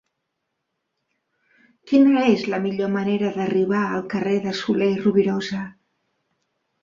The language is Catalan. Quina és la millor manera d'arribar al carrer de Soler i Rovirosa?